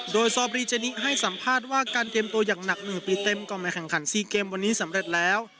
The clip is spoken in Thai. โดยซอบรีเจนิให้สัมภาษณ์ว่าการเตรียมตัวอย่างหนัก๑ปีเต็มก่อนมาแข่งขัน๔เกมวันนี้สำเร็จแล้ว